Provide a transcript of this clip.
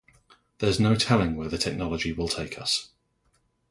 There's no telling where the technology will take us.